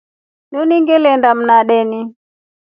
Linu ngilinda mndana.